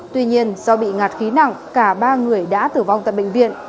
tuy nhiên do bị ngạt khí nặng cả ba người đã tử vong tại bệnh viện